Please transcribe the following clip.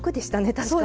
確かに。